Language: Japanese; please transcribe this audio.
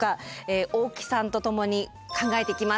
大木さんと共に考えていきます。